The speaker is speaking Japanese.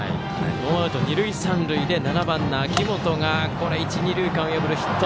ノーアウト二塁三塁で７番の秋元が一、二塁間を破るヒット。